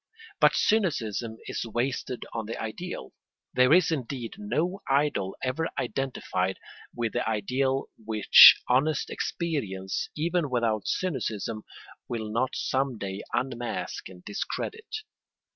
But cynicism is wasted on the ideal. There is indeed no idol ever identified with the ideal which honest experience, even without cynicism, will not some day unmask and discredit.